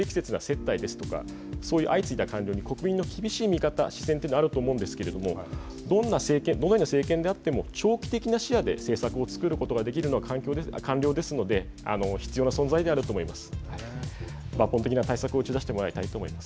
過去に天下りとか不適切な接待ですとか相次いだ官僚に国民の厳しい見方自然とあると思うんですけれどどのような政権であっても長期的な視野で政策を作ることができるような官僚ですので必要な存在であると思います。